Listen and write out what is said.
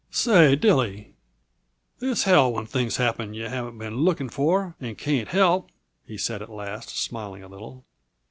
"Say, Dilly, it's hell when things happen yuh haven't been looking for and can't help," he said at last, smiling a little.